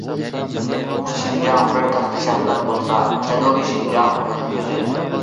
شىنجاڭ بىر تاختا شاھمات بولسا، جەنۇبىي شىنجاڭ ئۇنىڭ‹‹ كۆزى››.